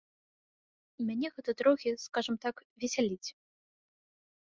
Мяне гэта трохі, скажам так, весяліць.